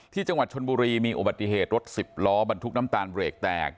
ที่จังหวัดชนบุรีมีอุบัติเหตุรถ๑๐ล้อบันทุกน้ำตาลปลูกแบ่งแตก